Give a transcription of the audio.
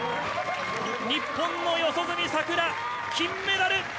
日本の四十住さくら金メダル！